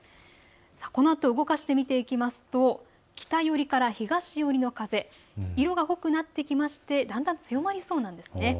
このあと動かしてみますと北寄りから東寄りの風、色が濃くなってきましてだんだん強まりそうなんです。